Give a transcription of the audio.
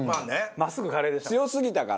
真っすぐカレーでしたから。